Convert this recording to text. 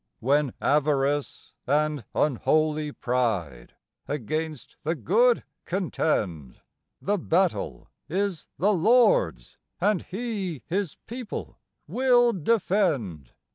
When Avarice and unholy Pride against the good contend, The battle is the Lord's and He His people will defend.